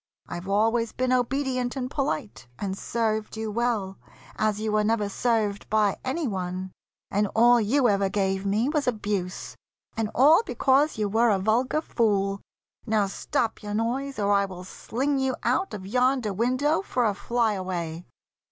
I've always been Obedient and polite, and served you well, As you were never served by any one, And all you ever gave me was abuse, And all because you were a vulgar fool. Now stop your noise, or I will sling you out Of yonder window for a fly away!"